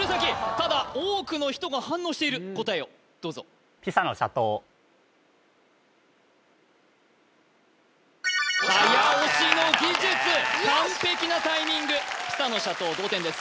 ただ多くの人が反応している答えをどうぞ早押しの技術完璧なタイミングピサの斜塔同点です